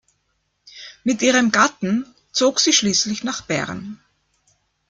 Mit ihrem Gatten zog sie schließlich nach Bern.